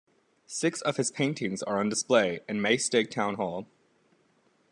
Six of his paintings are on display in Maesteg Town Hall.